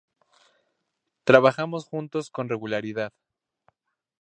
Trabajamos juntos con regularidad.